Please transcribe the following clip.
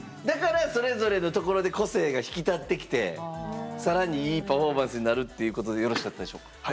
だからそれぞれのところで個性が引き立ってきて更にいいパフォーマンスになるっていうことでよろしかったでしょうか？